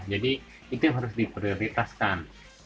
jadi itu yang harus diprioritaskan